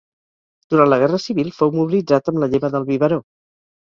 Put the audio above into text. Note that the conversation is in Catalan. Durant la Guerra Civil fou mobilitzat amb la Lleva del Biberó.